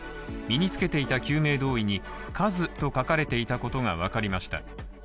身につけていた救命胴衣に、「ＫＡＺＵ」と書かれていたことが分かりました。